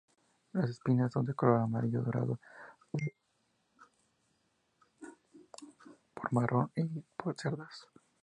Las espinas son de color amarillo dorado translúcido para marrón y como cerdas.